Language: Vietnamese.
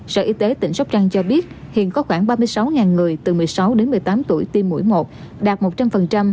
sở y tế tỉnh sóc trăng cho biết hiện có khoảng ba mươi sáu người từ một mươi sáu đến một mươi tám tuổi tiêm mỗi một đạt một trăm linh